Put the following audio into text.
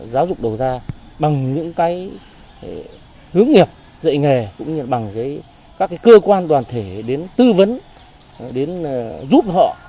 giáo dục đầu ra bằng những cái hướng nghiệp dạy nghề cũng như bằng các cơ quan đoàn thể đến tư vấn đến giúp họ